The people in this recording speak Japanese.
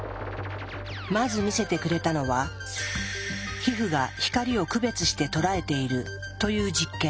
まず見せてくれたのは「皮膚が光を区別して捉えている」という実験。